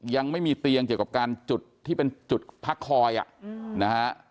ยังไม่มีเตียงเกี่ยวกับการจุดที่เป็นจุดพักคอยนะฮะ